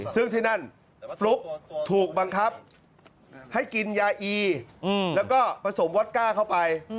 ซึ่งที่นั่นฟลุ๊กถูกบังคับให้กินยาอีแล้วก็ผสมว็อกก้าเข้าไป